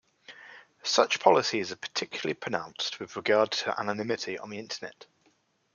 Such policies are particularly pronounced with regard to anonymity on the Internet.